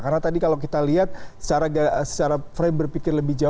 karena tadi kalau kita lihat secara frame berpikir lebih jauh